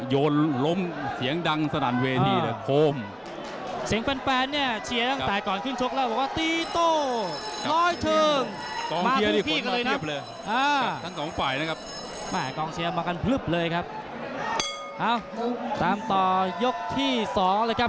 วันที่๙พบกันที่อุราชดำเนยนะครับ